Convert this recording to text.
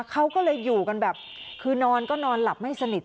เขาก็เลยอยู่กันแบบคือนอนก็นอนหลับไม่สนิท